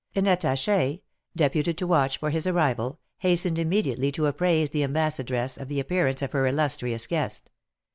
An attaché, deputed to watch for his arrival, hastened immediately to appraise the ambassadress of the appearance of her illustrious guest.